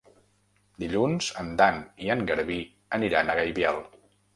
Dilluns en Dan i en Garbí aniran a Gaibiel.